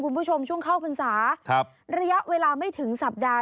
คุณผู้ชมช่วงเข้าพรรษาระยะเวลาไม่ถึงสัปดาห์